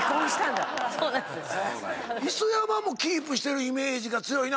磯山もキープしてるイメージが強いな。